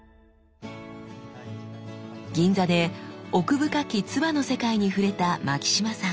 銀座で奥深き鐔の世界に触れた牧島さん。